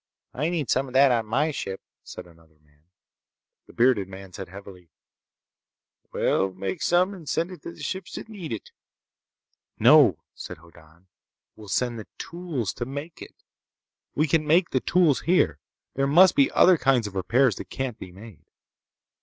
"I need some of that on my ship," said another man. The bearded man said heavily: "We'll make some and send it to the ships that need it." "No," said Hoddan. "We'll send the tools to make it. We can make the tools here. There must be other kinds of repairs that can't be made.